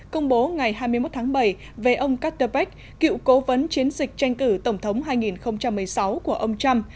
công bố ngày hai mươi một tháng bảy về ông caterpec cựu cố vấn chiến dịch tranh cử tổng thống hai nghìn một mươi sáu của ông trump